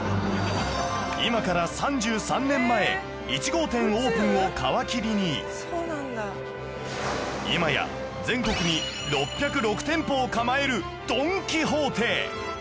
今から３３年前１号店オープンを皮切りに今や全国に６０６店舗を構えるドン・キホーテ